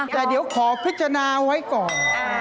แต่เดี๋ยวขอพิจารณาไว้ก่อน